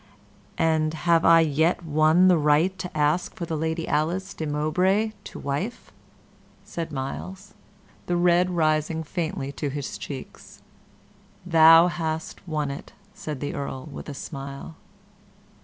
"And have I yet won the right to ask for the Lady Alice de Mowbray to wife?" said Myles, the red rising faintly to his cheeks. "Thou hast won it," said the Earl, with a smile.